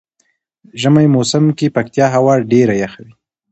ژمی موسم کې پکتيا هوا ډیره یخه وی.